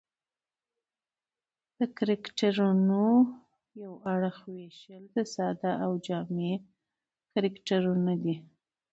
د کرکټرونو یو اړخ وېشل د ساده او جامع کرکټرونه دي.